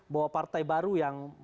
bahwa partai baru yang